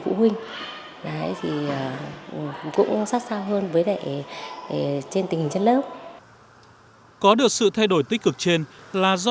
phụ huynh đấy thì cũng xa xa hơn với lại trên tình hình chất lớp có được sự thay đổi tích cực trên là do